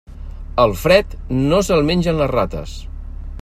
El fred, no se'l mengen les rates.